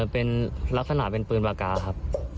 เป็นลักษณะเป็นปืนปากกาครับ